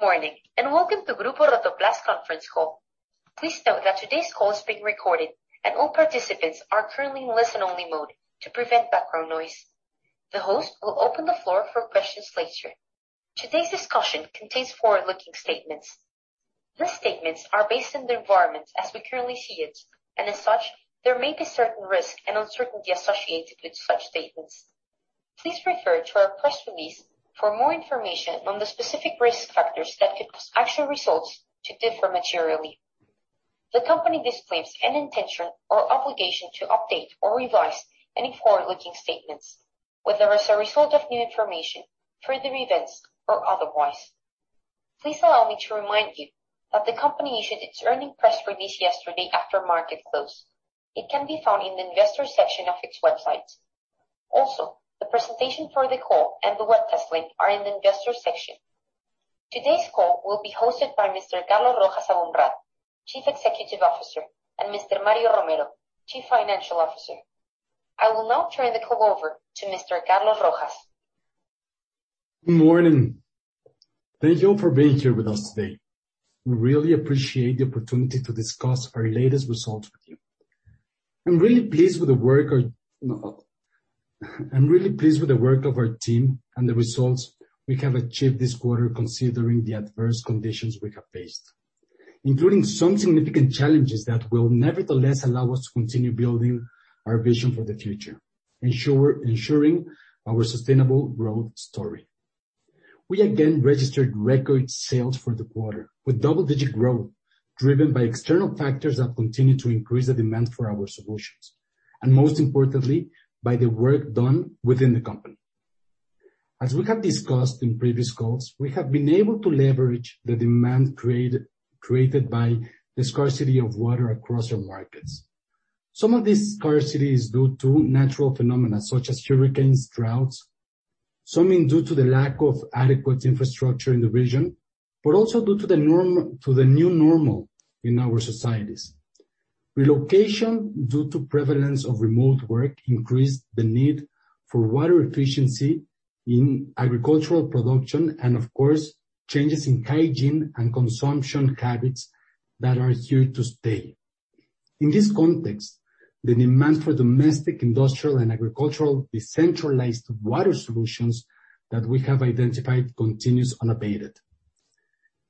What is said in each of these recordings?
Morning, welcome to Grupo Rotoplas conference call. Please note that today's call is being recorded, and all participants are currently in listen-only mode to prevent background noise. The host will open the floor for questions later. Today's discussion contains forward-looking statements. These statements are based on the environment as we currently see it, and as such, there may be certain risks and uncertainty associated with such statements. Please refer to our press release for more information on the specific risk factors that could cause actual results to differ materially. The company disclaims any intention or obligation to update or revise any forward-looking statements, whether as a result of new information, further events, or otherwise. Please allow me to remind you that the company issued its earnings press release yesterday after market close. It can be found in the Investors section of its website. Also, the presentation for the call and the web test link are in the Investors section. Today's call will be hosted by Mr. Carlos Rojas Aboumrad, Chief Executive Officer, and Mr. Mario Romero, Chief Financial Officer. I will now turn the call over to Mr. Carlos Rojas. Good morning. Thank you all for being here with us today. We really appreciate the opportunity to discuss our latest results with you. I'm really pleased with the work of our team and the results we have achieved this quarter, considering the adverse conditions we have faced, including some significant challenges that will nevertheless allow us to continue building our vision for the future, ensuring our sustainable growth story. We again registered record sales for the quarter, with double-digit growth driven by external factors that continue to increase the demand for our solutions, and most importantly, by the work done within the company. As we have discussed in previous calls, we have been able to leverage the demand created by the scarcity of water across our markets. Some of this scarcity is due to natural phenomena such as hurricanes, droughts. Some is due to the lack of adequate infrastructure in the region, but also due to the new normal in our societies. Relocation due to prevalence of remote work increased the need for water efficiency in agricultural production, and of course, changes in hygiene and consumption habits that are here to stay. In this context, the demand for domestic, industrial, and agricultural decentralized water solutions that we have identified continues unabated.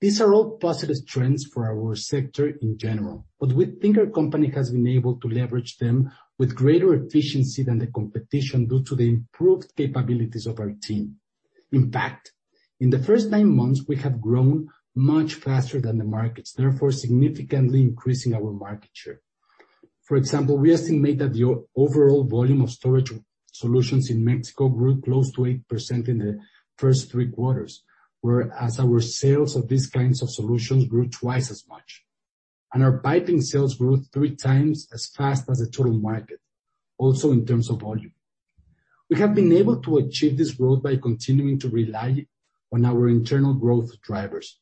These are all positive trends for our sector in general, but we think our company has been able to leverage them with greater efficiency than the competition due to the improved capabilities of our team. In fact, in the first nine months, we have grown much faster than the markets, therefore significantly increasing our market share. For example, we estimate that the overall volume of storage solutions in Mexico grew close to 8% in the first three quarters, whereas our sales of these kinds of solutions grew 2x as much, and our piping sales grew 3x as fast as the total market, also in terms of volume. We have been able to achieve this growth by continuing to rely on our internal growth drivers.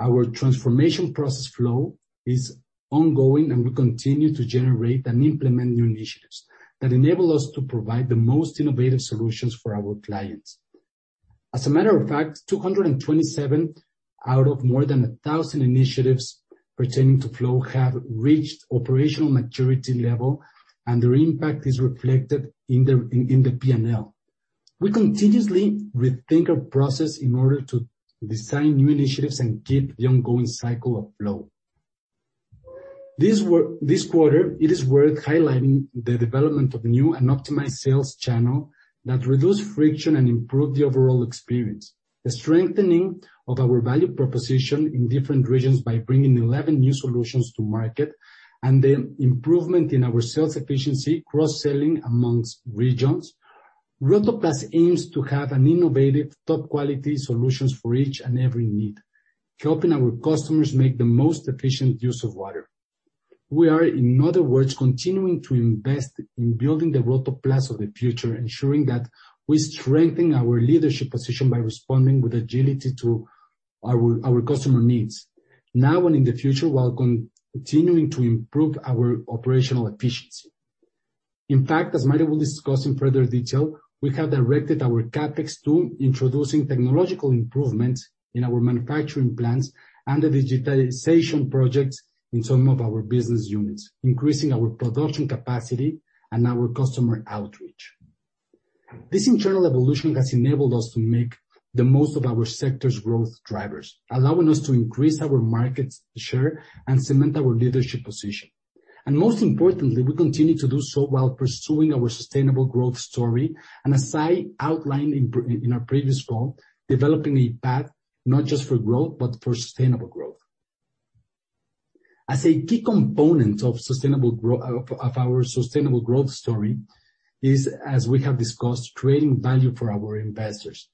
Our transformation process FLOW is ongoing, and we continue to generate and implement new initiatives that enable us to provide the most innovative solutions for our clients. As a matter of fact, 227 out of more than 1,000 initiatives pertaining to FLOW have reached operational maturity level, and their impact is reflected in the P&L. We continuously rethink our process in order to design new initiatives and keep the ongoing cycle of FLOW. This quarter, it is worth highlighting the development of new and optimized sales channel that reduce friction and improve the overall experience, the strengthening of our value proposition in different regions by bringing 11 new solutions to market, and the improvement in our sales efficiency cross-selling amongst regions. Rotoplas aims to have an innovative, top-quality solutions for each and every need, helping our customers make the most efficient use of water. We are, in other words, continuing to invest in building the Rotoplas of the future, ensuring that we strengthen our leadership position by responding with agility to our customer needs now and in the future, while continuing to improve our operational efficiency. In fact, as Mario will discuss in further detail, we have directed our CapEx to introducing technological improvements in our manufacturing plants and the digitalization projects in some of our business units, increasing our production capacity and our customer outreach. This internal evolution has enabled us to make the most of our sector's growth drivers, allowing us to increase our market share and cement our leadership position. Most importantly, we continue to do so while pursuing our sustainable growth story, and as I outlined in our previous call, developing a path not just for growth, but for sustainable growth. As a key component of our sustainable growth story is, as we have discussed, creating value for our investors.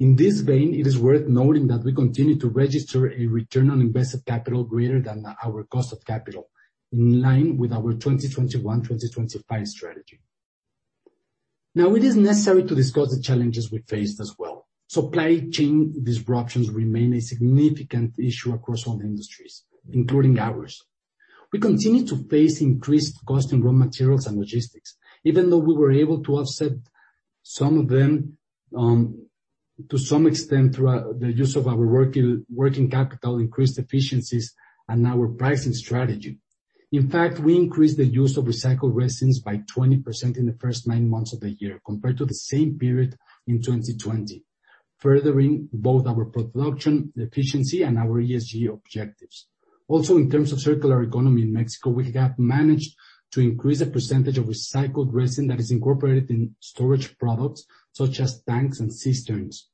In this vein, it is worth noting that we continue to register a return on invested capital greater than our cost of capital, in line with our 2021, 2025 strategy. Now, it is necessary to discuss the challenges we faced as well. Supply chain disruptions remain a significant issue across all industries, including ours. We continue to face increased cost in raw materials and logistics. Even though we were able to offset some of them, to some extent, through the use of our working capital, increased efficiencies, and our pricing strategy. In fact, we increased the use of recycled resins by 20% in the first nine months of the year compared to the same period in 2020, furthering both our production efficiency and our ESG objectives. Also, in terms of circular economy in Mexico, we have managed to increase the percentage of recycled resin that is incorporated in storage products such as tanks and cisterns.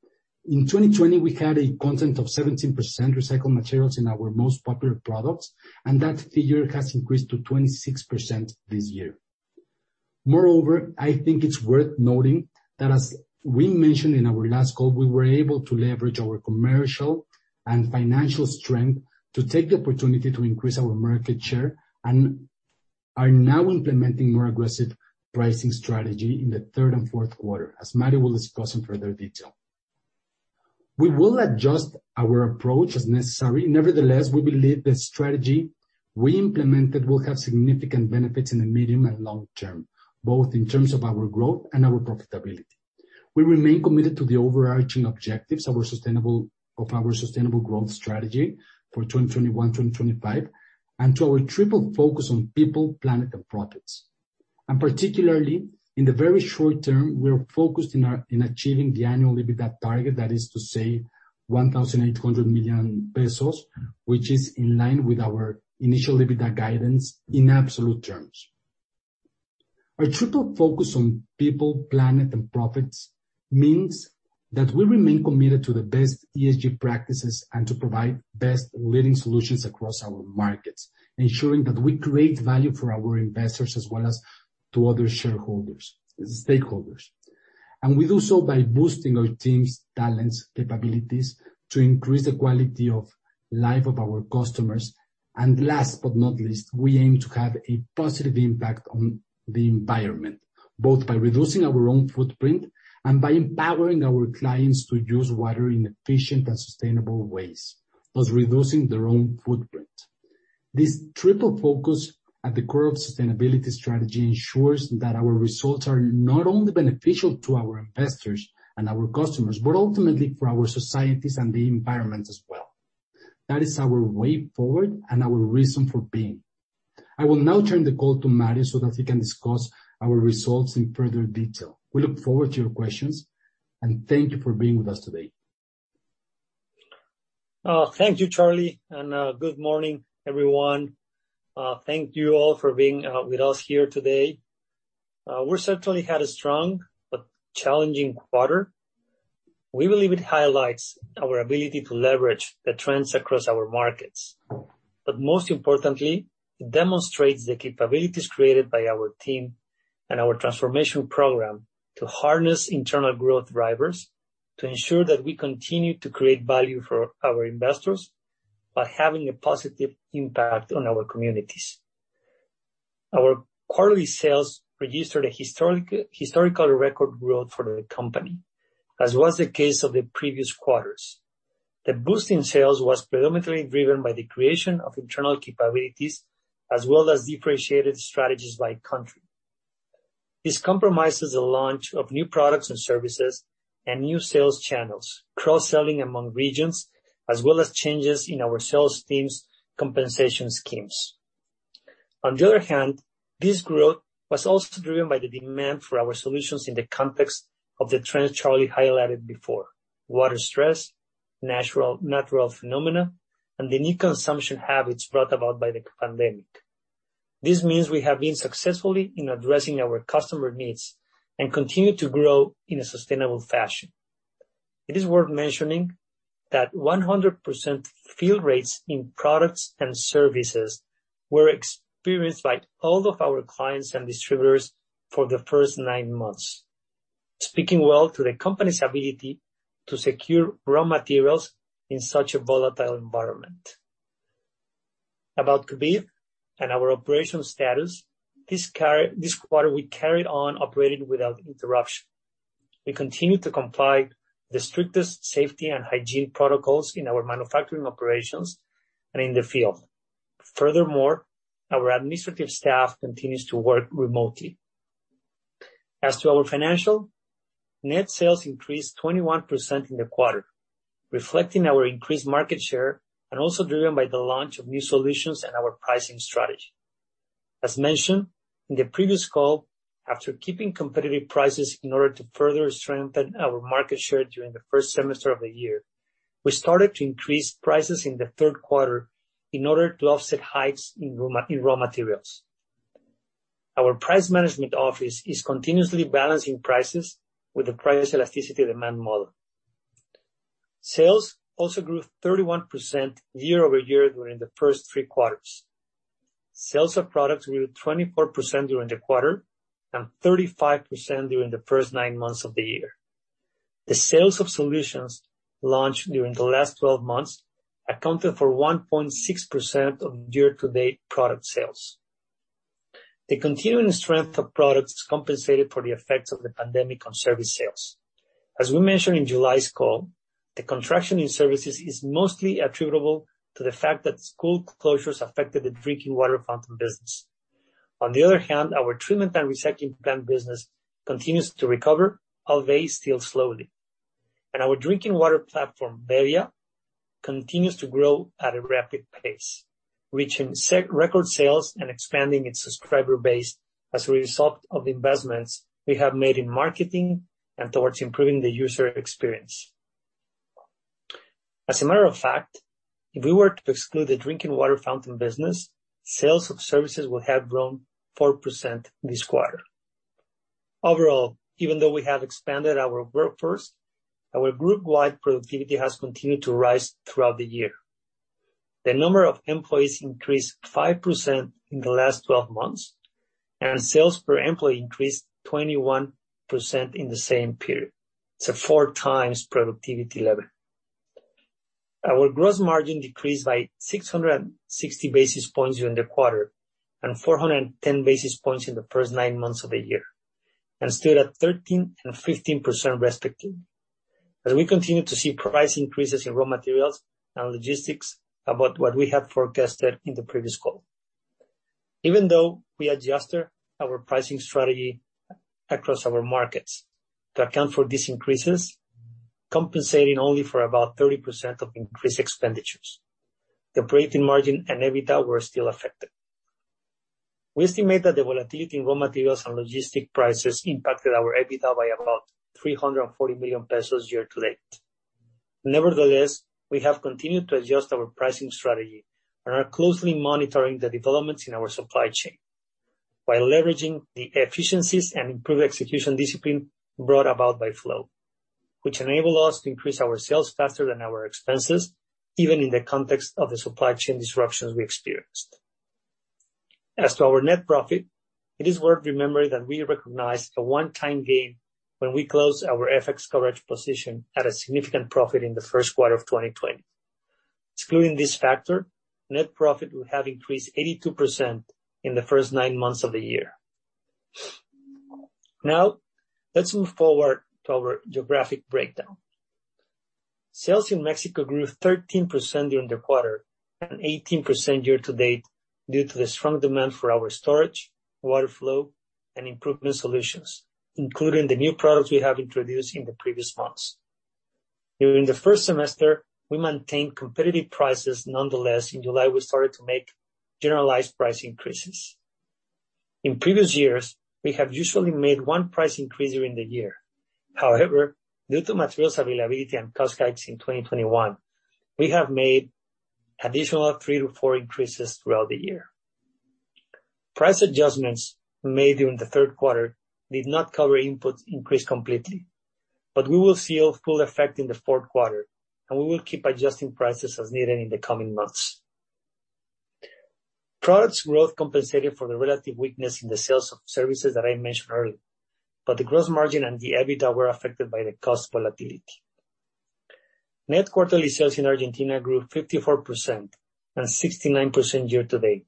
In 2020, we had a content of 17% recycled materials in our most popular products, and that figure has increased to 26% this year. Moreover, I think it's worth noting that as we mentioned in our last call, we were able to leverage our commercial and financial strength to take the opportunity to increase our market share, and are now implementing more aggressive pricing strategy in the third and fourth quarter, as Mario Romero will discuss in further detail. We will adjust our approach as necessary. We believe the strategy we implemented will have significant benefits in the medium and long term, both in terms of our growth and our profitability. We remain committed to the overarching objectives of our sustainable growth strategy for 2021-2025, and to our triple focus on people, planet, and profits. Particularly, in the very short term, we're focused in achieving the annual EBITDA target, that is to say, 1,800 million pesos, which is in line with our initial EBITDA guidance in absolute terms. Our triple focus on people, planet, and profits means that we remain committed to the best ESG practices and to provide best-leading solutions across our markets, ensuring that we create value for our investors as well as to other shareholders, stakeholders. We do so by boosting our team's talents, capabilities to increase the quality of life of our customers. Last but not least, we aim to have a positive impact on the environment, both by reducing our own footprint and by empowering our clients to use water in efficient and sustainable ways, thus reducing their own footprint. This triple focus at the core of sustainability strategy ensures that our results are not only beneficial to our investors and our customers, but ultimately for our societies and the environment as well. That is our way forward and our reason for being. I will now turn the call to Mario so that he can discuss our results in further detail. We look forward to your questions, and thank you for being with us today. Thank you, Carlos. Good morning, everyone. Thank you all for being with us here today. We certainly had a strong but challenging quarter. We believe it highlights our ability to leverage the trends across our markets. Most importantly, it demonstrates the capabilities created by our team and our transformation program to harness internal growth drivers to ensure that we continue to create value for our investors while having a positive impact on our communities. Our quarterly sales produced a historical record growth for the company, as was the case of the previous quarters. The boost in sales was predominantly driven by the creation of internal capabilities, as well as differentiated strategies by country. This comprises the launch of new products and services and new sales channels, cross-selling among regions, as well as changes in our sales team's compensation schemes. On the other hand, this growth was also driven by the demand for our solutions in the context of the trends Carlos highlighted before: water stress, natural phenomena, and the new consumption habits brought about by the pandemic. This means we have been successful in addressing our customer needs and continue to grow in a sustainable fashion. It is worth mentioning that 100% fill rates in products and services were experienced by all of our clients and distributors for the first nine months, speaking well to the company's ability to secure raw materials in such a volatile environment. About COVID and our operation status, this quarter, we carried on operating without interruption. We continue to comply with the strictest safety and hygiene protocols in our manufacturing operations and in the field. Our administrative staff continues to work remotely. As to our financial, net sales increased 21% in the quarter, reflecting our increased market share and also driven by the launch of new solutions and our pricing strategy. As mentioned in the previous call, after keeping competitive prices in order to further strengthen our market share during the first semester of the year, we started to increase prices in the third quarter in order to offset hikes in raw materials. Our price management office is continuously balancing prices with the price elasticity demand model. Sales also grew 31% year-over-year during the first three quarters. Sales of products grew 24% during the quarter and 35% during the first nine months of the year. The sales of solutions launched during the last 12 months accounted for 1.6% of year-to-date product sales. The continuing strength of products compensated for the effects of the pandemic on service sales. As we mentioned in July's call, the contraction in services is mostly attributable to the fact that school closures affected the drinking water fountain business. On the other hand, our treatment and recycling plant business continues to recover, albeit still slowly. Our drinking water platform, bebbia, continues to grow at a rapid pace, reaching record sales and expanding its subscriber base as a result of the investments we have made in marketing and towards improving the user experience. As a matter of fact, if we were to exclude the drinking water fountain business, sales of services would have grown 4% this quarter. Overall, even though we have expanded our workforce, our group-wide productivity has continued to rise throughout the year. The number of employees increased 5% in the last 12 months, and sales per employee increased 21% in the same period. It's a 4x productivity level. Our gross margin decreased by 660 basis points during the quarter, and 410 basis points in the first nine months of the year, and stood at 13% and 15%, respectively. We continue to see price increases in raw materials and logistics above what we had forecasted in the previous call. We adjusted our pricing strategy across our markets to account for these increases, compensating only for about 30% of increased expenditures, the operating margin and EBITDA were still affected. We estimate that the volatility in raw materials and logistic prices impacted our EBITDA by about 340 million pesos year to date. Nevertheless, we have continued to adjust our pricing strategy and are closely monitoring the developments in our supply chain while leveraging the efficiencies and improved execution discipline brought about by FLOW, which enable us to increase our sales faster than our expenses, even in the context of the supply chain disruptions we experienced. As to our net profit, it is worth remembering that we recognized a one-time gain when we closed our FX coverage position at a significant profit in the first quarter of 2020. Excluding this factor, net profit would have increased 82% in the first nine months of the year. Let's move forward to our geographic breakdown. Sales in Mexico grew 13% during the quarter and 18% year-to-date due to the strong demand for our storage, water flow, and improvement solutions, including the new products we have introduced in the previous months. During the first semester, we maintained competitive prices. Nonetheless, in July, we started to make generalized price increases. In previous years, we have usually made one price increase during the year. Due to materials availability and cost hikes in 2021, we have made additional three to four increases throughout the year. Price adjustments made during the third quarter did not cover input increase completely. We will see a full effect in the fourth quarter. We will keep adjusting prices as needed in the coming months. Products growth compensated for the relative weakness in the sales of services that I mentioned earlier. The gross margin and the EBITDA were affected by the cost volatility. Net quarterly sales in Argentina grew 54% and 69% year-to-date,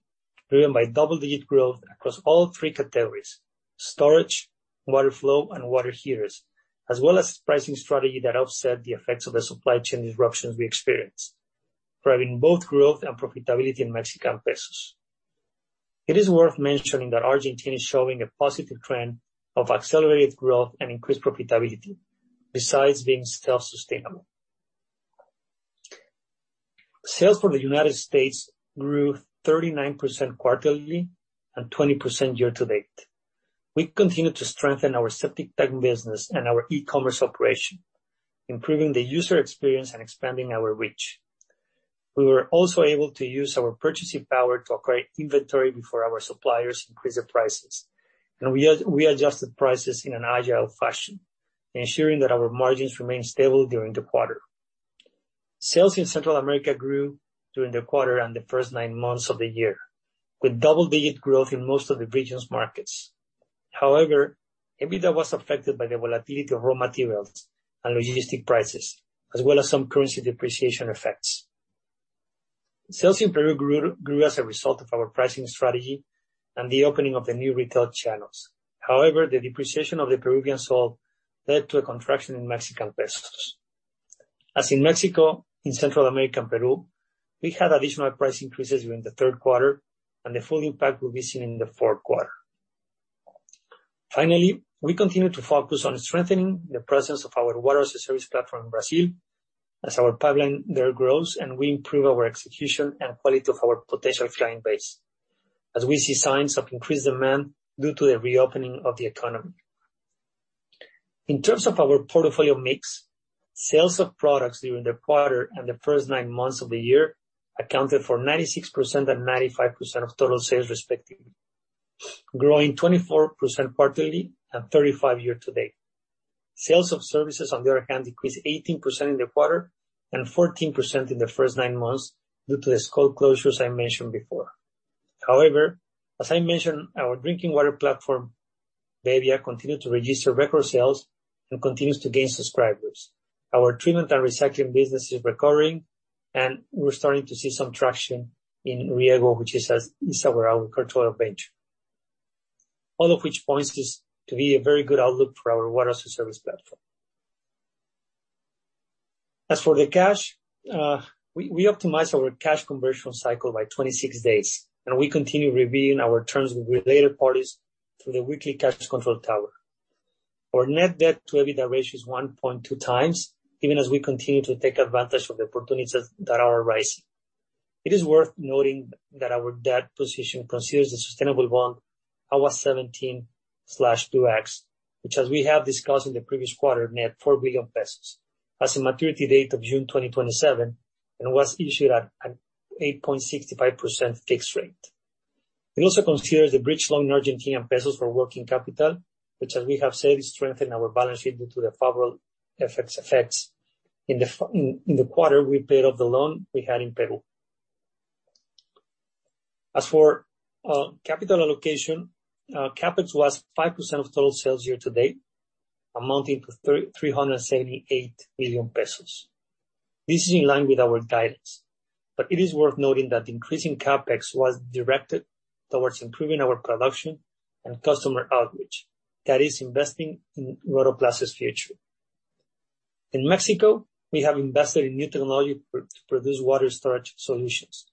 driven by double-digit growth across all three categories: storage, water FLOW, and water heaters, as well as pricing strategy that offset the effects of the supply chain disruptions we experienced, driving both growth and profitability in Mexican pesos. It is worth mentioning that Argentina is showing a positive trend of accelerated growth and increased profitability, besides being self-sustainable. Sales for the United States grew 39% quarterly and 20% year-to-date. We continue to strengthen our septic tank business and our e-commerce operation, improving the user experience and expanding our reach. We were also able to use our purchasing power to acquire inventory before our suppliers increased their prices, and we adjusted prices in an agile fashion, ensuring that our margins remained stable during the quarter. Sales in Central America grew during the quarter and the first nine months of the year, with double-digit growth in most of the region's markets. However, EBITDA was affected by the volatility of raw materials and logistic prices, as well as some currency depreciation effects. Sales in Peru grew as a result of our pricing strategy and the opening of the new retail channels. However, the depreciation of the Peruvian sol led to a contraction in Mexican pesos. As in Mexico, in Central America and Peru, we had additional price increases during the third quarter, and the full impact will be seen in the fourth quarter. Finally, we continue to focus on strengthening the presence of our water as a service platform in Brazil as our pipeline there grows and we improve our execution and quality of our potential client base, as we see signs of increased demand due to the reopening of the economy. In terms of our portfolio mix, sales of products during the quarter and the first nine months of the year accounted for 96% and 95% of total sales, respectively, growing 24% quarterly and 35% year to date. Sales of services, on the other hand, decreased 18% in the quarter and 14% in the first nine months due to the school closures I mentioned before. However, as I mentioned, our drinking water platform, bebbia, continued to register record sales and continues to gain subscribers. Our treatment and recycling business is recovering, and we're starting to see some traction in Riego, which is our agricultural venture. All of which points us to be a very good outlook for our water service platform. As for the cash, we optimized our cash conversion cycle by 26 days, and we continue reviewing our terms with related parties through the weekly cash control tower. Our net debt to EBITDA ratio is 1.2x, even as we continue to take advantage of the opportunities that are arising. It is worth noting that our debt position considers the sustainable bond, AGUA 17-2X, which, as we have discussed in the previous quarter, net 4 billion pesos, has a maturity date of June 2027, and was issued at an 8.65% fixed rate. It also considers the bridge loan in Argentine pesos for working capital, which, as we have said, is strengthening our balance sheet due to the favorable effects. In the quarter, we paid off the loan we had in Peru. As for capital allocation, CapEx was 5% of total sales year to date, amounting to 378 million pesos. This is in line with our guidance, but it is worth noting that the increase in CapEx was directed towards improving our production and customer outreach, that is investing in Rotoplas' future. In Mexico, we have invested in new technology to produce water storage solutions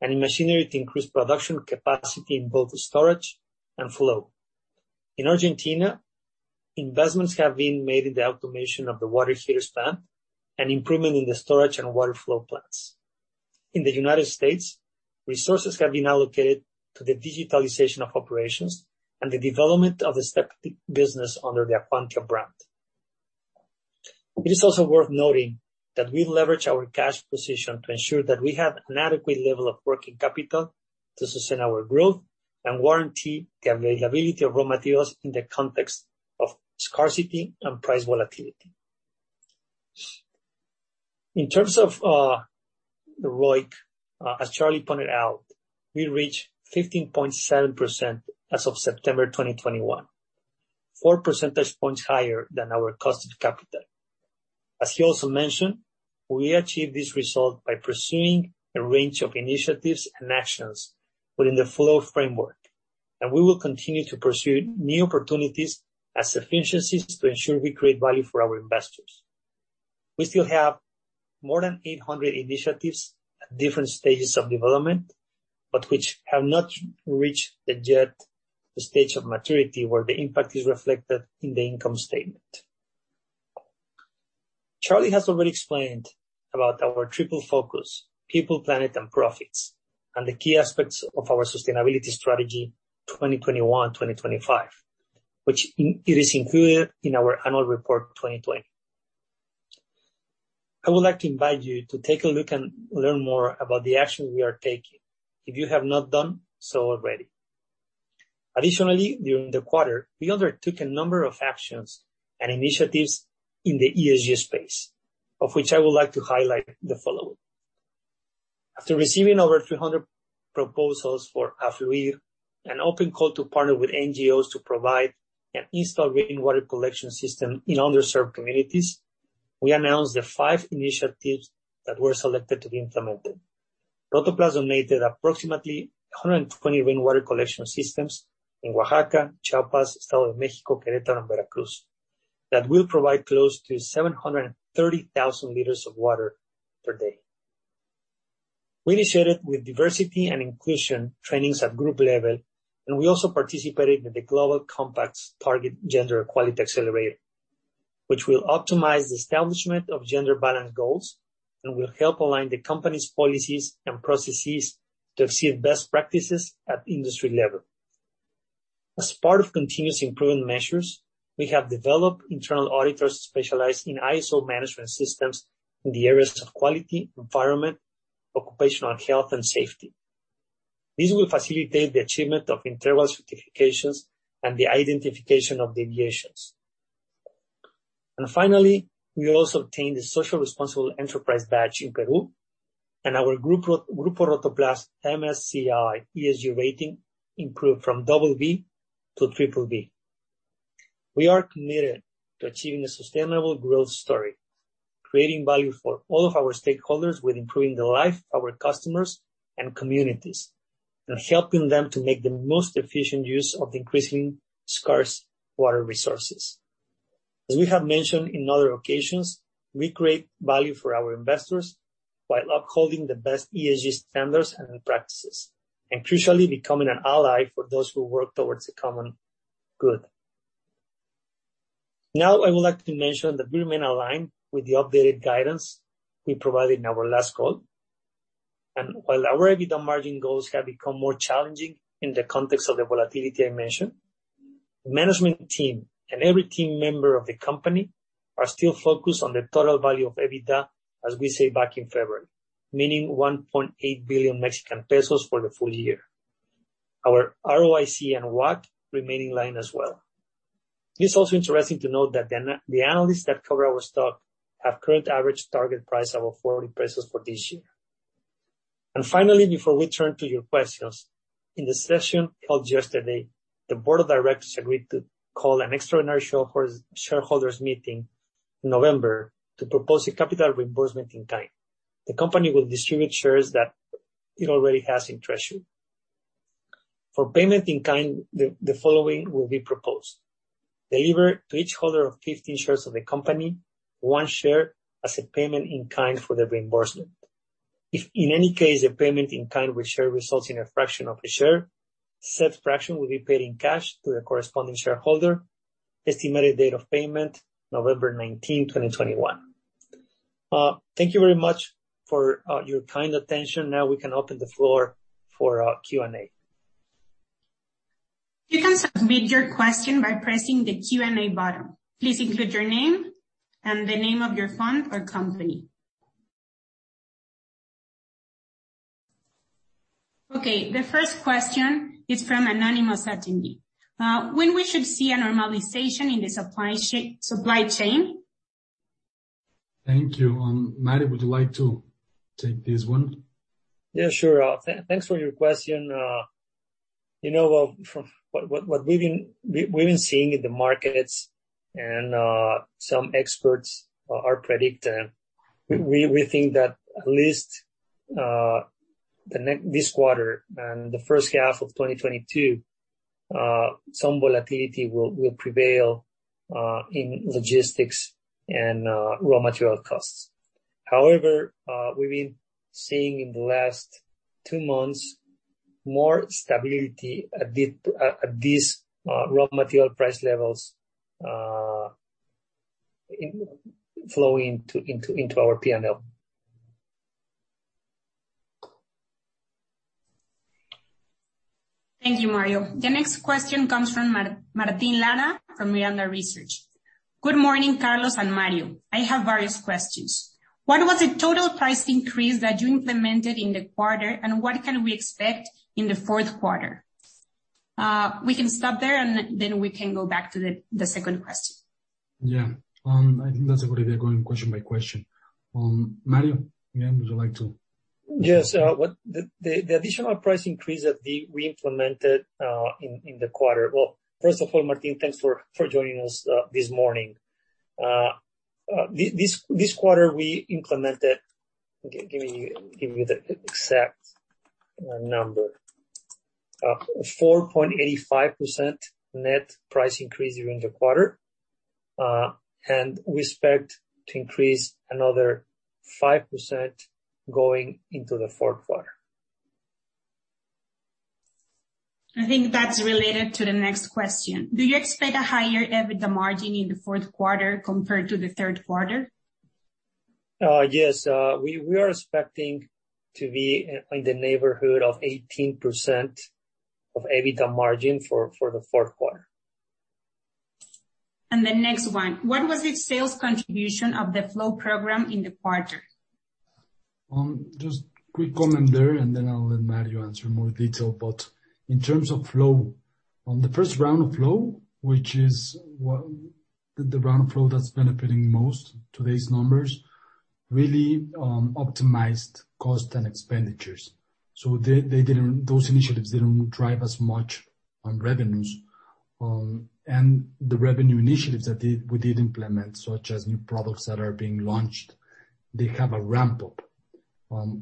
and in machinery to increase production capacity in both storage and flow. In Argentina, investments have been made in the automation of the water heaters plant, and improvement in the storage and water flow plants. In the United States, resources have been allocated to the digitalization of operations and the development of the septic business under the Acuantia brand. It is also worth noting that we leverage our cash position to ensure that we have an adequate level of working capital to sustain our growth and warranty the availability of raw materials in the context of scarcity and price volatility. In terms of the ROIC, as Carlos pointed out, we reached 15.7% as of September 2021, 4 percentage points higher than our cost of capital. As he also mentioned, we achieved this result by pursuing a range of initiatives and actions within the FLOW framework, and we will continue to pursue new opportunities as efficiencies to ensure we create value for our investors. We still have more than 800 initiatives at different stages of development, but which have not reached yet the stage of maturity where the impact is reflected in the income statement. Carlos has already explained about our triple focus, people, planet, and profits, and the key aspects of our sustainability strategy 2021-2025, which it is included in our annual report 2020. I would like to invite you to take a look and learn more about the action we are taking if you have not done so already. Additionally, during the quarter, we undertook a number of actions and initiatives in the ESG space, of which I would like to highlight the following. After receiving over 300 proposals for a Fluir, an open call to partner with NGOs to provide and install rainwater collection system in underserved communities, we announced the five initiatives that were selected to be implemented. Rotoplas donated approximately 120 rainwater collection systems in Oaxaca, Chiapas, Estado de México, Querétaro, and Veracruz that will provide close to 730,000 liters of water per day. We also participated with the UN Global Compact's Target Gender Equality Accelerator, which will optimize the establishment of gender balance goals and will help align the company's policies and processes to achieve best practices at industry level. As part of continuous improvement measures, we have developed internal auditors specialized in ISO management systems in the areas of quality, environment, occupational health, and safety. This will facilitate the achievement of internal certifications and the identification of deviations. Finally, we also obtained the Socially Responsible Enterprise badge in Peru, and our Grupo Rotoplas MSCI ESG rating improved from BB to BBB. We are committed to achieving a sustainable growth story, creating value for all of our stakeholders while improving the life of our customers and communities, and helping them to make the most efficient use of the increasing scarce water resources. As we have mentioned in other occasions, we create value for our investors while upholding the best ESG standards and practices, and crucially, becoming an ally for those who work towards a common good. I would like to mention that we remain aligned with the updated guidance we provided in our last call. While our EBITDA margin goals have become more challenging in the context of the volatility I mentioned, the management team and every team member of the company are still focused on the total value of EBITDA as we said back in February, meaning 1.8 billion Mexican pesos for the full year. Our ROIC and WACC remain in line as well. It is also interesting to note that the analysts that cover our stock have current average target price above 400 pesos for this year. Finally, before we turn to your questions, in the session held yesterday, the board of directors agreed to call an extraordinary shareholders meeting in November to propose a capital reimbursement in kind. The company will distribute shares that it already has in treasury. For payment in kind, the following will be proposed: deliver to each holder of 15 shares of the company, one share as a payment in kind for the reimbursement. If in any case a payment in kind with share results in a fraction of a share, said fraction will be paid in cash to the corresponding shareholder. Estimated date of payment, November 19, 2021. Thank you very much for your kind attention. Now we can open the floor for Q&A. You can submit your question by pressing the Q&A button. Please include your name and the name of your fund or company. Okay, the first question is from anonymous attendee. When we should see a normalization in the supply chain? Thank you. Mario, would you like to take this one? Yeah, sure. Thanks for your question. From what we've been seeing in the markets and some experts are predicting, we think that at least this quarter and the first half of 2022, some volatility will prevail in logistics and raw material costs. However, we've been seeing in the last two months, more stability at these raw material price levels flowing into our P&L. Thank you, Mario. The next question comes from Martin Lara from Miranda Research. "Good morning, Carlos and Mario. I have various questions. What was the total price increase that you implemented in the quarter, and what can we expect in the fourth quarter?" We can stop there, and then we can go back to the second question. Yeah. I think that's a good idea, going question by question. Mario, again, would you like to. Yes. The additional price increase that we implemented in the quarter. Well, first of all, Martin, thanks for joining us this morning. This quarter, we implemented, give me the exact number, 4.85% net price increase during the quarter. We expect to increase another 5% going into the fourth quarter. I think that's related to the next question. Do you expect a higher EBITDA margin in the fourth quarter compared to the third quarter? Yes. We are expecting to be in the neighborhood of 18% of EBITDA margin for the fourth quarter. The next one. What was the sales contribution of the FLOW program in the quarter? Just quick comment there, and then I'll let Mario answer in more detail. In terms of FLOW, on the first round of FLOW, which is the round of FLOW that's benefiting most today's numbers, really optimized cost and expenditures. Those initiatives didn't drive as much on revenues. The revenue initiatives that we did implement, such as new products that are being launched, they have a ramp-up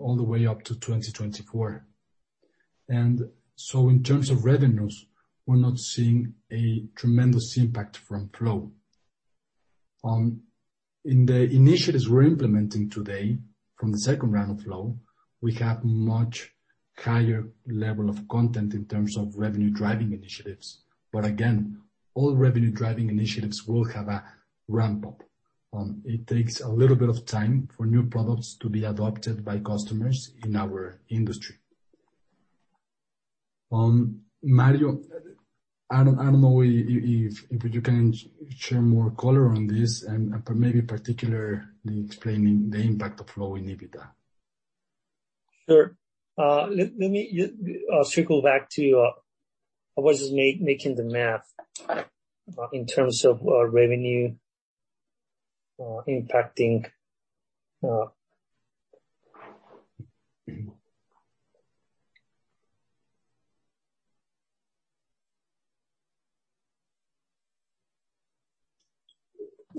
all the way up to 2024. In terms of revenues, we're not seeing a tremendous impact from FLOW. In the initiatives we're implementing today, from the second round of FLOW, we have much higher level of content in terms of revenue-driving initiatives. Again, all revenue-driving initiatives will have a ramp-up. It takes a little bit of time for new products to be adopted by customers in our industry. Mario, I don't know if you can share more color on this and maybe particularly explaining the impact of FLOW in EBITDA. Sure. Let me circle back to, I was just making the math in terms of revenue impacting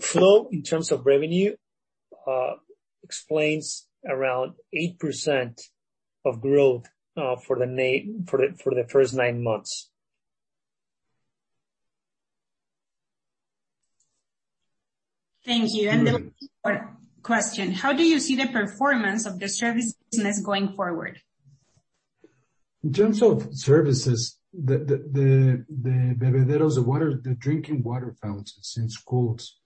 FLOW, in terms of revenue, explains around 8% of growth for the first nine months. Thank you. The second question, how do you see the performance of the service business going forward? In terms of services, the bebederos of water, the drinking water fountains in schools,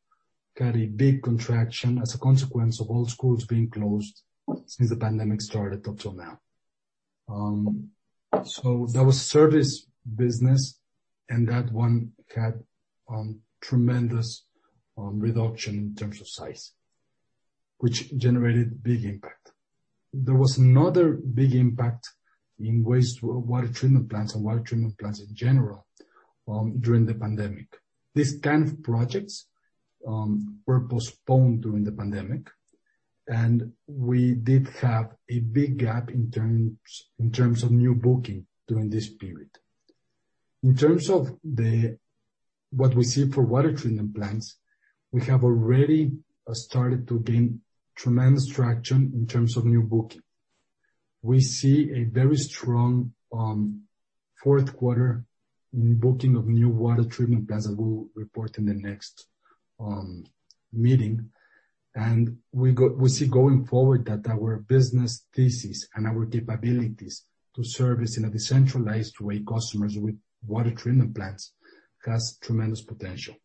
got a big contraction as a consequence of all schools being closed since the pandemic started up till now. That was service business, and that one had tremendous reduction in terms of size, which generated big impact. There was another big impact in waste water treatment plants and water treatment plants in general during the pandemic. These kind of projects were postponed during the pandemic, and we did have a big gap in terms of new booking during this period. In terms of what we see for water treatment plants, we have already started to gain tremendous traction in terms of new booking. We see a very strong fourth quarter in booking of new water treatment plants that we'll report in the next meeting. We see going forward that our business thesis and our capabilities to service, in a decentralized way, customers with water treatment plants, has tremendous potential.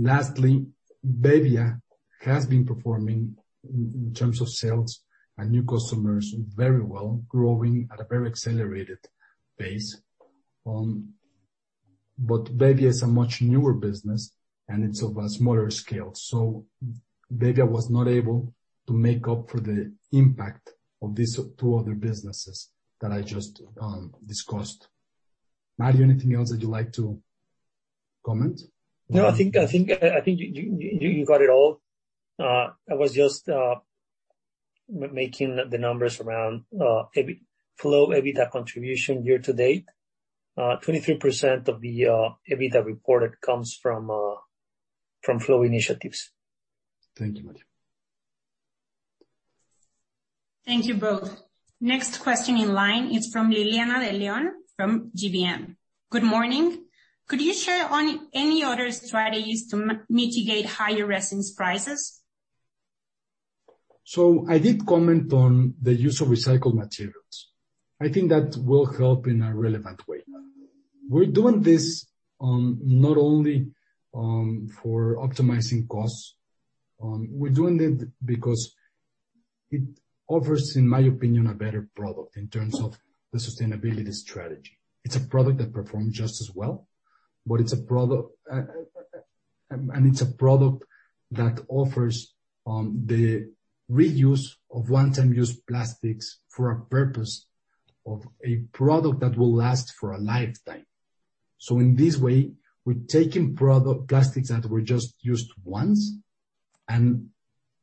Lastly, bebbia has been performing, in terms of sales and new customers, very well, growing at a very accelerated pace. Bebbia is a much newer business, and it's of a smaller scale. Bebbia was not able to make up for the impact of these two other businesses that I just discussed. Mario, anything else that you'd like to comment? No, I think you got it all. I was just making the numbers around FLOW EBITDA contribution year to date. 23% of the EBITDA reported comes from FLOW initiatives. Thank you, Mario. Thank you both. Next question in line is from Liliana De León from GBM. Good morning. Could you share any other strategies to mitigate higher resins prices? I did comment on the use of recycled materials. I think that will help in a relevant way. We're doing this not only for optimizing costs, we're doing it because it offers, in my opinion, a better product in terms of the sustainability strategy. It's a product that performs just as well, and it's a product that offers the reuse of one-time use plastics for a purpose of a product that will last for a lifetime. In this way, we're taking plastics that were just used once and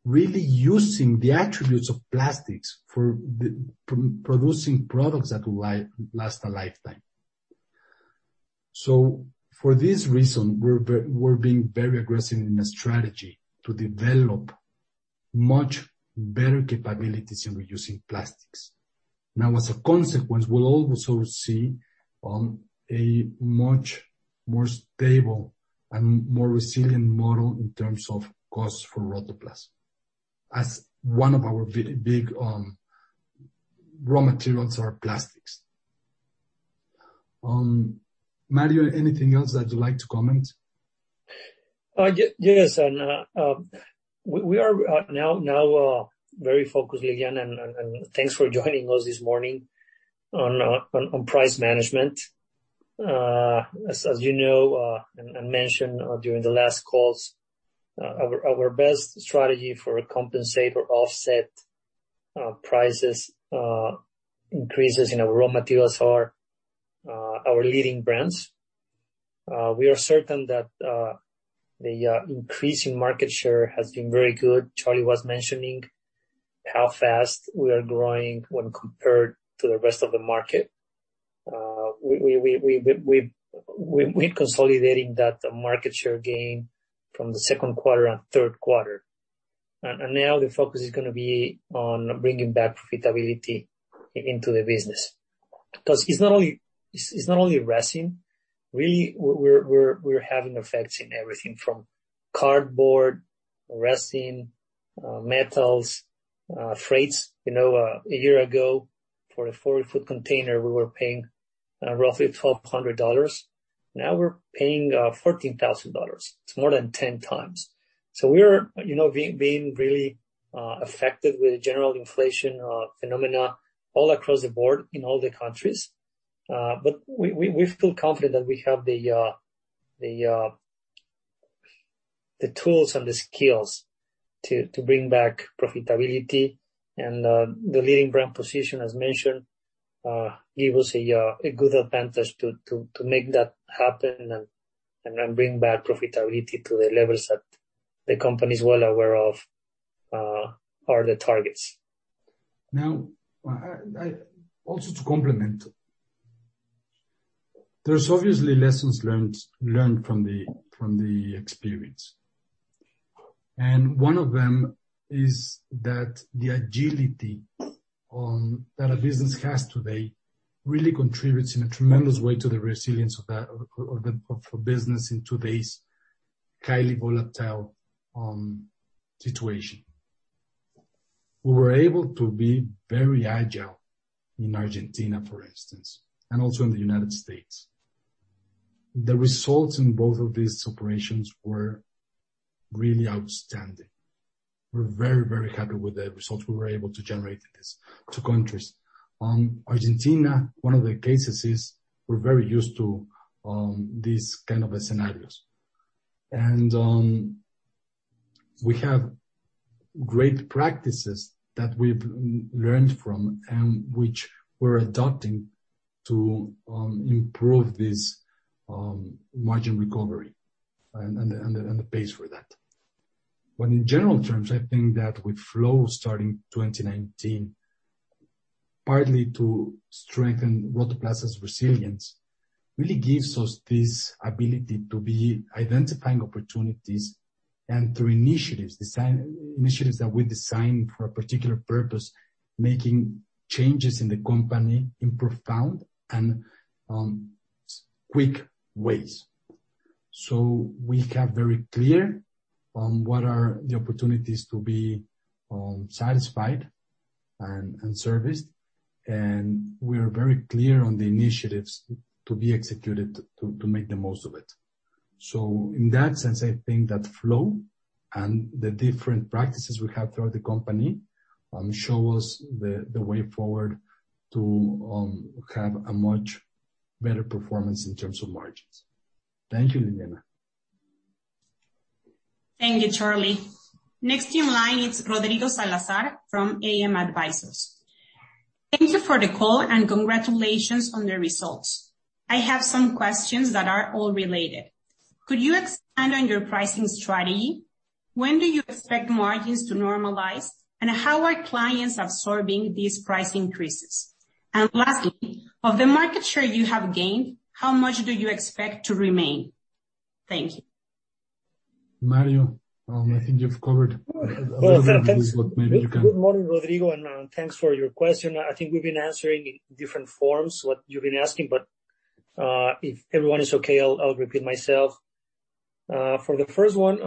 really using the attributes of plastics for producing products that will last a lifetime. For this reason, we're being very aggressive in the strategy to develop much better capabilities in reusing plastics. As a consequence, we'll also see a much more stable and more resilient model in terms of costs for Rotoplas. As one of our big raw materials are plastics. Mario, anything else that you'd like to comment? Yes. We are now very focused, Liliana, and thanks for joining us this morning, on price management. As you know, I mentioned during the last calls, our best strategy for compensate or offset prices increases in our raw materials are our leading brands. We are certain that the increase in market share has been very good. Carlos was mentioning how fast we are growing when compared to the rest of the market. We're consolidating that market share gain from the second quarter and third quarter. Now the focus is going to be on bringing back profitability into the business. It's not only resin. We're having effects in everything from cardboard, resin, metals, freights. A year ago, for a 40-foot container, we were paying roughly MXN 1,200. Now we're paying MXN 14,000. It's more than 10x. We're being really affected with general inflation phenomena all across the board in all the countries. We feel confident that we have the tools and the skills to bring back profitability and the leading brand position, as mentioned, give us a good advantage to make that happen and then bring back profitability to the levels that the company's well aware of are the targets. Now, also to complement. There's obviously lessons learned from the experience. One of them is that the agility that a business has today really contributes in a tremendous way to the resilience of a business in today's highly volatile situation. We were able to be very agile in Argentina, for instance, and also in the U.S. The results in both of these operations were really outstanding. We're very happy with the results we were able to generate in these two countries. Argentina, one of the cases is we're very used to these kind of scenarios. We have great practices that we've learned from and which we're adopting to improve this margin recovery and the pace for that. Well, in general terms, I think that with FLOW starting 2019, partly to strengthen Rotoplas's resilience, really gives us this ability to be identifying opportunities, and through initiatives that we design for a particular purpose, making changes in the company in profound and quick ways. We have very clear on what are the opportunities to be satisfied and serviced. We are very clear on the initiatives to be executed to make the most of it. In that sense, I think that FLOW and the different practices we have throughout the company show us the way forward to have a much better performance in terms of margins. Thank you, Liliana De León. Thank you, Carlos. Next in line is Rodrigo Salazar from AM Advisors. Thank you for the call, and congratulations on the results. I have some questions that are all related. Could you expand on your pricing strategy? When do you expect margins to normalize, and how are clients absorbing these price increases? Lastly, of the market share you have gained, how much do you expect to remain? Thank you. Mario, I think you've covered. Well. A little bit of this. Good morning, Rodrigo. Thanks for your question. I think we've been answering in different forms what you've been asking, but, if everyone is okay, I'll repeat myself. For the first one,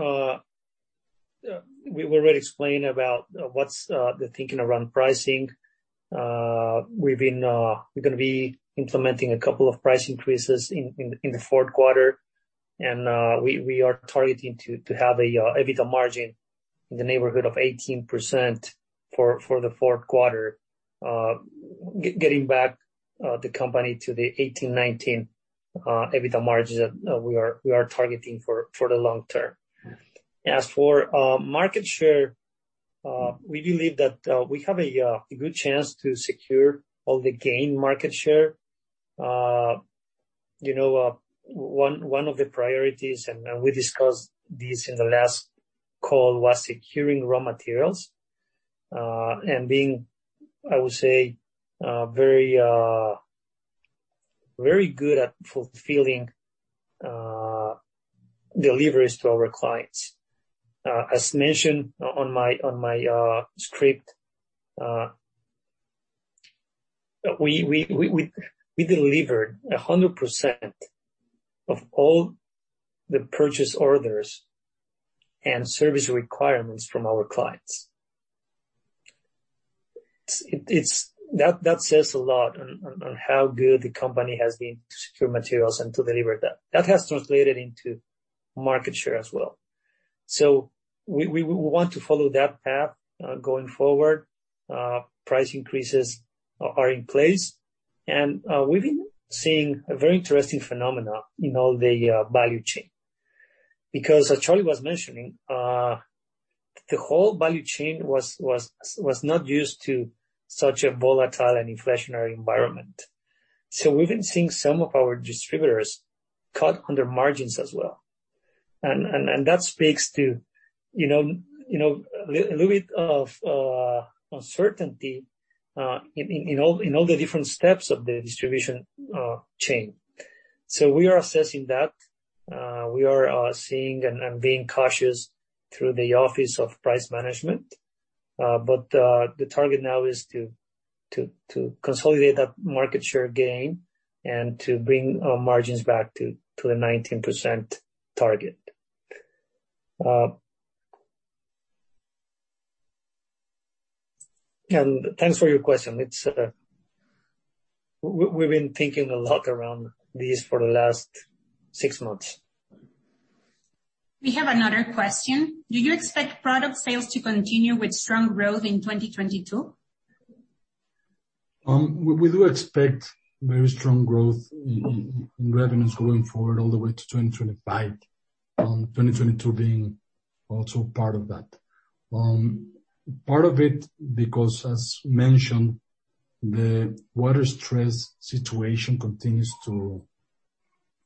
we already explained about what's the thinking around pricing. We're gonna be implementing a couple of price increases in the fourth quarter. We are targeting to have a EBITDA margin in the neighborhood of 18% for the fourth quarter. Getting back the company to the 2018, 2019 EBITDA margins that we are targeting for the long term. As for market share, we believe that we have a good chance to secure all the gained market share. One of the priorities, and we discussed this in the last call, was securing raw materials, and being, I would say, very good at fulfilling deliveries to our clients. As mentioned on my script, we delivered 100% of all the purchase orders and service requirements from our clients. That says a lot on how good the company has been to secure materials and to deliver that. That has translated into market share as well. We want to follow that path going forward. Price increases are in place. We've been seeing a very interesting phenomenon in all the value chain. As Carlos was mentioning, the whole value chain was not used to such a volatile and inflationary environment. We've been seeing some of our distributors cut on their margins as well. That speaks to a little bit of uncertainty in all the different steps of the distribution chain. We are assessing that. We are seeing and being cautious through the office of price management. The target now is to consolidate that market share gain and to bring our margins back to the 19% target. Thanks for your question. We've been thinking a lot around this for the last six months. We have another question. Do you expect product sales to continue with strong growth in 2022? We do expect very strong growth in revenues going forward all the way to 2025, 2022 being also part of that. Part of it because as mentioned, the water stress situation continues to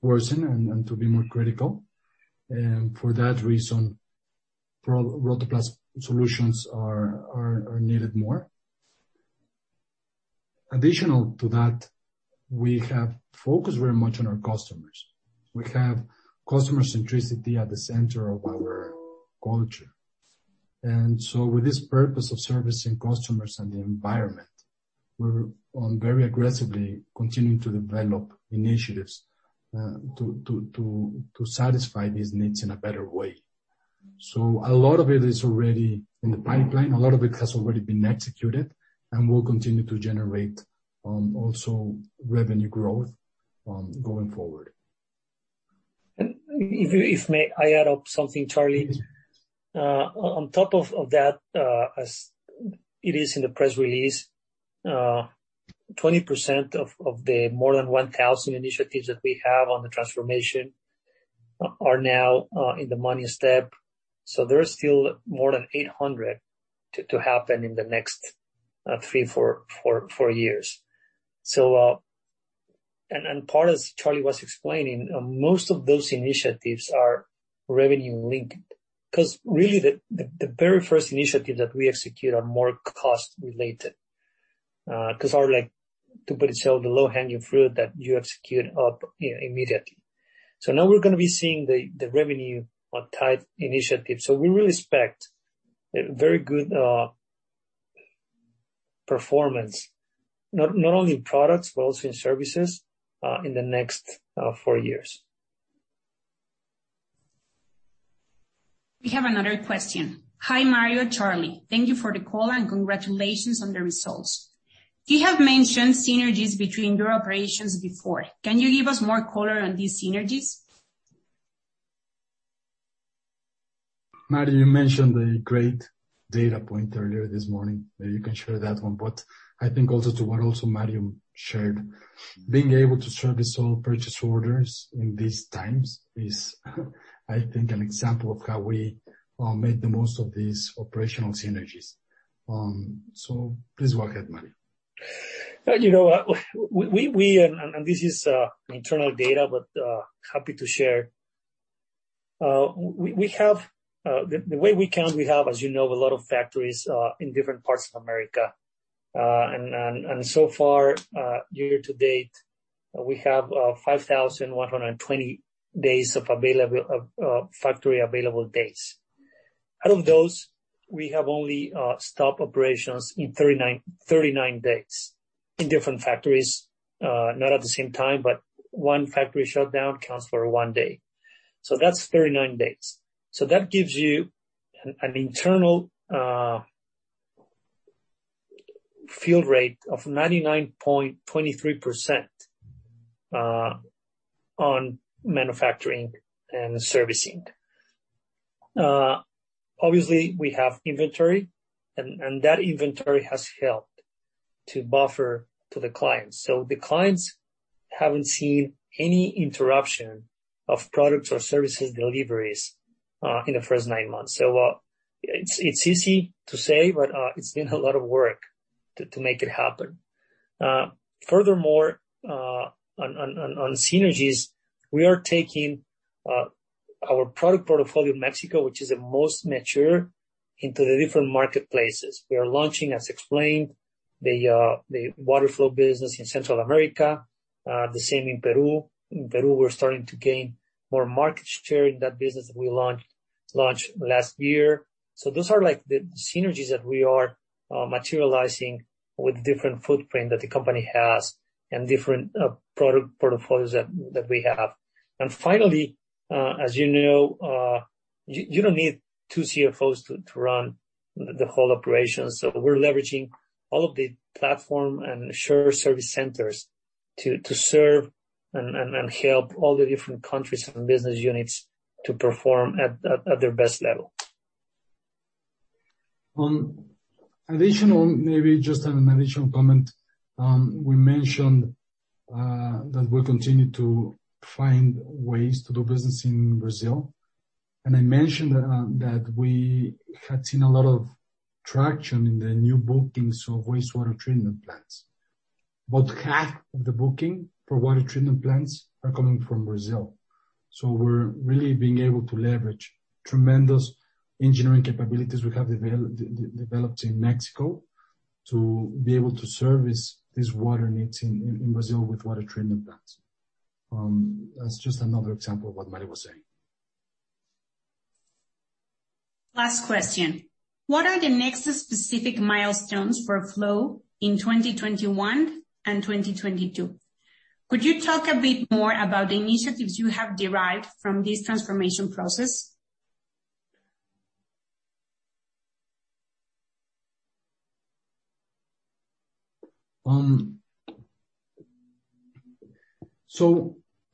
worsen and to be more critical. For that reason, Rotoplas solutions are needed more. Additional to that, we have focused very much on our customers. We have customer centricity at the center of our culture. With this purpose of servicing customers and the environment, we're on very aggressively continuing to develop initiatives to satisfy these needs in a better way. A lot of it is already in the pipeline. A lot of it has already been executed and will continue to generate also revenue growth going forward. If may I add something, Carlos? Please. On top of that, as it is in the press release, 20% of the more than 1,000 initiatives that we have on the transformation are now in the money step. There are still more than 800 to happen in the next three, four years. Part, as Carlos was explaining, most of those initiatives are revenue-linked. Really, the very first initiative that we execute are more cost-related. They are like, to put it simply, the low-hanging fruit that you execute up immediately. Now we're going to be seeing the revenue-type initiative. We really expect a very good performance, not only in products, but also in services, in the next four years. We have another question. "Hi, Mario and Carlos. Thank you for the call and congratulations on the results. You have mentioned synergies between your operations before. Can you give us more color on these synergies? Mario, you mentioned the great data point earlier this morning. Maybe you can share that one, but I think also to what also Mario shared, being able to service all purchase orders in these times is I think, an example of how we made the most of these operational synergies. Please go ahead, Mario. This is internal data, but happy to share. The way we count, we have, as you know, a lot of factories in different parts of America. So far, year to date, we have 5,120 factory available days. Out of those, we have only stopped operations in 39 days in different factories. Not at the same time, but one factory shutdown counts for one day. That's 39 days. That gives you an internal fill rate of 99.23% on manufacturing and servicing. Obviously, we have inventory, and that inventory has helped to buffer to the clients. The clients haven't seen any interruption of products or services deliveries in the first nine months. It's easy to say, but it's been a lot of work to make it happen. Furthermore, on synergies, we are taking our product portfolio in Mexico, which is the most mature, into the different marketplaces. We are launching, as explained, the water flow business in Central America. The same in Peru. In Peru, we're starting to gain more market share in that business that we launched last year. Those are the synergies that we are materializing with different footprint that the company has and different product portfolios that we have. Finally, as you know, you don't need two CFOs to run the whole operation. We're leveraging all of the platform and shared service centers to serve and help all the different countries and business units to perform at their best level. Maybe just an additional comment. We mentioned that we continue to find ways to do business in Brazil, and I mentioned that we had seen a lot of traction in the new bookings of wastewater treatment plants. About half of the booking for water treatment plants are coming from Brazil. We're really being able to leverage tremendous engineering capabilities we have developed in Mexico to be able to service these water needs in Brazil with water treatment plants. That's just another example of what Mario was saying. Last question. "What are the next specific milestones for FLOW in 2021 and 2022? Could you talk a bit more about the initiatives you have derived from this transformation process?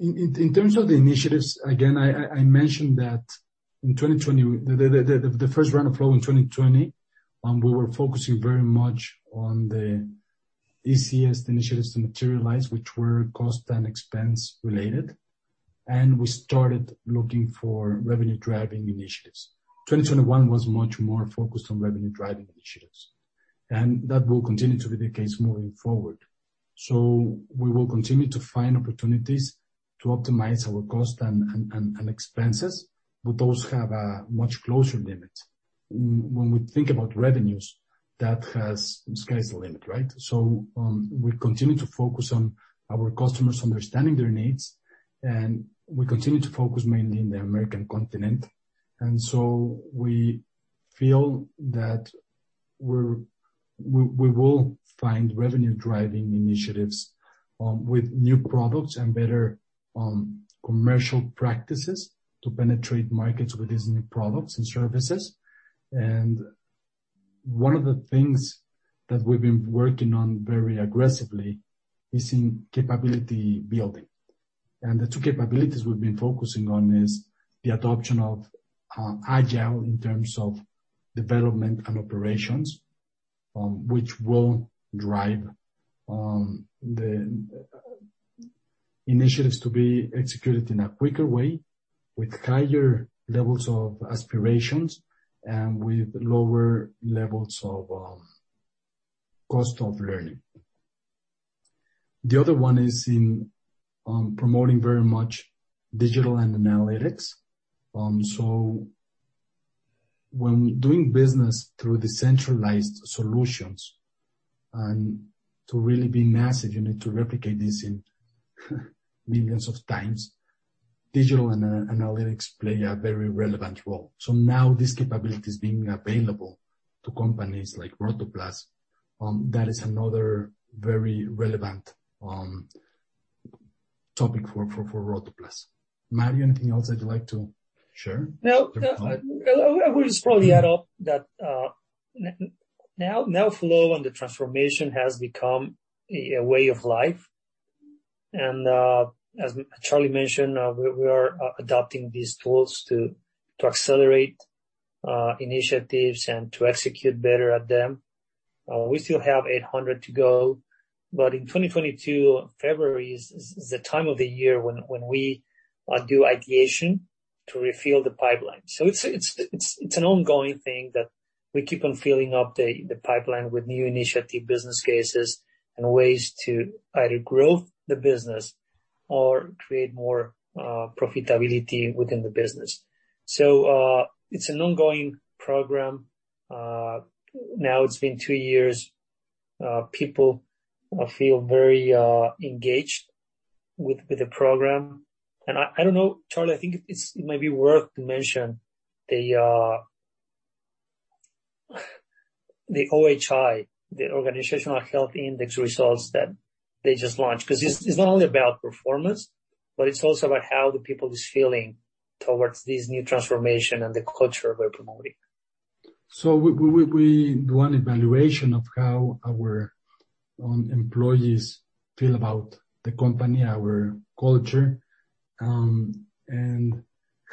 In terms of the initiatives, again, I mentioned that the first round of FLOW in 2020, we were focusing very much on the ESG initiatives to materialize, which were cost and expense related, and we started looking for revenue-driving initiatives. 2021 was much more focused on revenue-driving initiatives, that will continue to be the case moving forward. We will continue to find opportunities to optimize our cost and expenses, but those have a much closer limit. When we think about revenues, the sky's the limit, right? We continue to focus on our customers, understanding their needs, and we continue to focus mainly in the American continent. We feel that we will find revenue-driving initiatives with new products and better commercial practices to penetrate markets with these new products and services. One of the things that we've been working on very aggressively is in capability building. The two capabilities we've been focusing on is the adoption of agile in terms of development and operations, which will drive the initiatives to be executed in a quicker way with higher levels of aspirations and with lower levels of cost of learning. The other one is in promoting very much digital and analytics. When doing business through decentralized solutions, and to really be massive, you need to replicate this in millions of times. Digital and analytics play a very relevant role. Now this capability is being available to companies like Rotoplas. That is another very relevant topic for Rotoplas. Mario, anything else that you'd like to share? No. I would just probably add up that now FLOW and the transformation has become a way of life. As Carlos mentioned, we are adopting these tools to accelerate initiatives and to execute better at them. We still have 800 to go, but in 2022, February is the time of the year when we do ideation to refill the pipeline. It's an ongoing thing that we keep on filling up the pipeline with new initiative business cases and ways to either grow the business or create more profitability within the business. It's an ongoing program. Now it's been two years. People feel very engaged with the program. I don't know, Carlos, I think it's maybe worth to mention the OHI, the Organizational Health Index results that they just launched, because it's not only about performance, but it's also about how the people is feeling towards this new transformation and the culture we're promoting. We do an evaluation of how our own employees feel about the company, our culture, and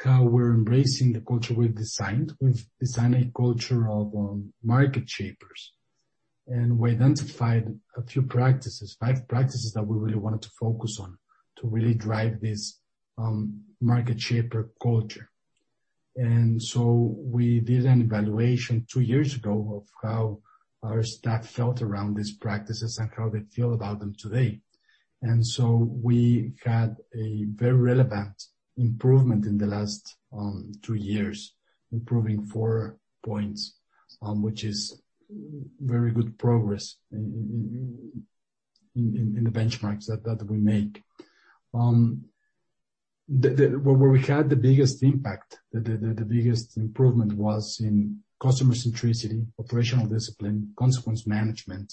how we're embracing the culture we've designed. We've designed a culture of market shapers, and we identified a few practices, five practices that we really wanted to focus on to really drive this market shaper culture. We did an evaluation two years ago of how our staff felt around these practices and how they feel about them today. We had a very relevant improvement in the last two years, improving four points, which is very good progress in the benchmarks that we make. Where we had the biggest impact, the biggest improvement was in customer centricity, operational discipline, consequence management,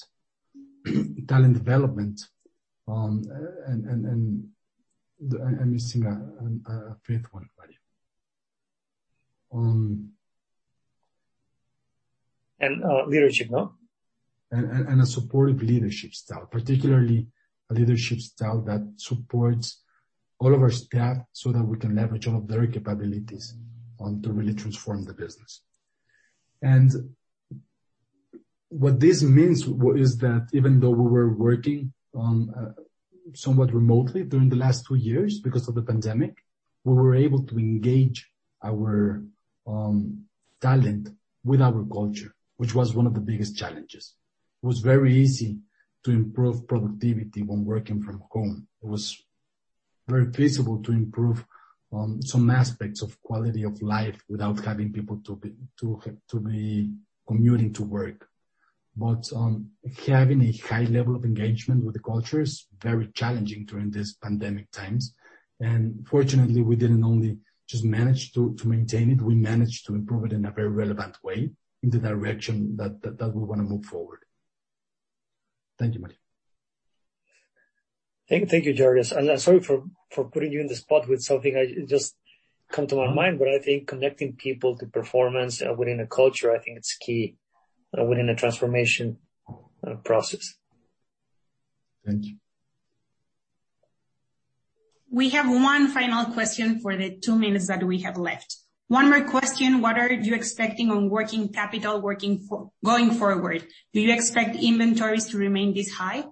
talent development, and I'm missing a fifth one, Mario. Leadership, no? A supportive leadership style. Particularly a leadership style that supports all of our staff so that we can leverage all of their capabilities to really transform the business. What this means is that even though we were working somewhat remotely during the last two years because of the pandemic, we were able to engage our talent with our culture, which was one of the biggest challenges. It was very easy to improve productivity when working from home. It was very feasible to improve some aspects of quality of life without having people to be commuting to work. Having a high level of engagement with the culture is very challenging during this pandemic times. Fortunately, we didn't only just manage to maintain it, we managed to improve it in a very relevant way in the direction that we want to move forward. Thank you, Mario. Thank you, Carlos. Sorry for putting you on the spot with something that just come to my mind. I think connecting people to performance within a culture, I think it's key within a transformation process. Thank you. We have one final question for the two minutes that we have left. One more question, what are you expecting on working capital going forward? Do you expect inventories to remain this high?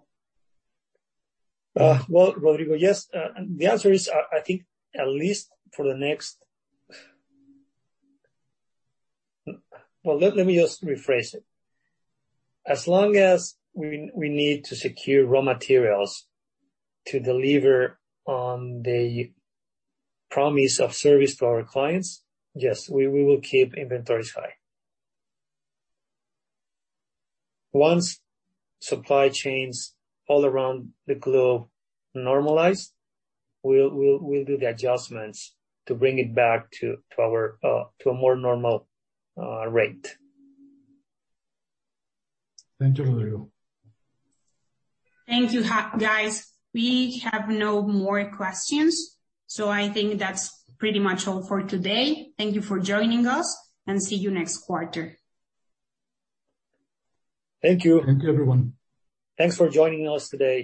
Well, Rodrigo, yes. The answer is, I think. Well, let me just rephrase it. As long as we need to secure raw materials to deliver on the promise of service to our clients, yes, we will keep inventories high. Once supply chains all around the globe normalize, we'll do the adjustments to bring it back to a more normal rate. Thank you, Romero. Thank you, guys. We have no more questions. I think that's pretty much all for today. Thank you for joining us, and see you next quarter. Thank you. Thank you, everyone. Thanks for joining us today.